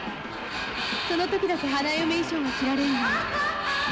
「その時だけ花嫁衣装が着られるのよ」。